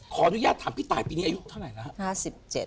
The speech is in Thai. ขออนุญาตถามพี่ตายปีนี้อายุเท่าไหร่แล้วครับ